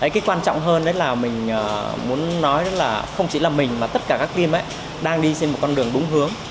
cái quan trọng hơn là mình muốn nói là không chỉ là mình mà tất cả các team đang đi trên một con đường đúng hướng